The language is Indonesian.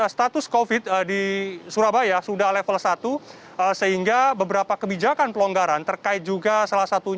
status covid di surabaya sudah level satu sehingga beberapa kebijakan pelonggaran terkait juga salah satu